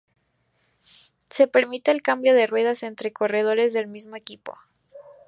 Se permite el cambio de ruedas entre corredores del mismo equipo.